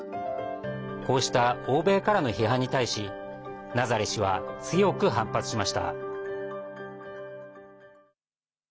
こうした欧米からの批判に対しナザリ氏は強く反発しました。